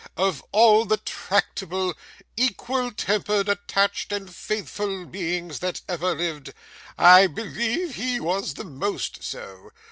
Of all the tractable, equal tempered, attached, and faithful beings that ever lived, I believe he was the most so.